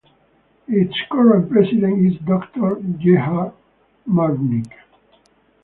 Its current president is Doctor Gerhard Malnic.